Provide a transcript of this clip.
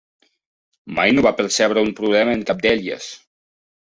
Mai no va percebre un problema en cap d'elles.